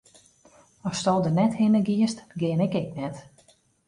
Asto der net hinne giest, gean ik ek net.